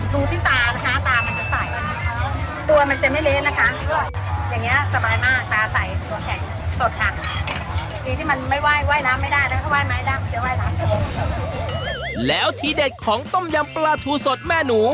ดูที่ตามก็จะใส่ตัวมันจะไม่เล็ดนะคะ